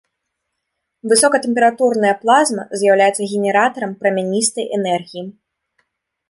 Высокатэмпературная плазма з'яўляецца генератарам прамяністай энергіі.